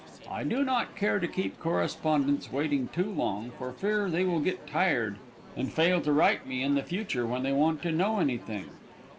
I do not care to keep correspondents waiting too long for fear they will get tired and fail to write me in the future when they want to know anything.